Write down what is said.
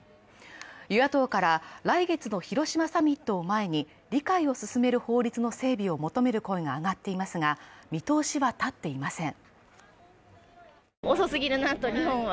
与野党から来月の広島サミットを前に理解を進める法律の整備を求める声が上がっていますが、見通しは立っていません。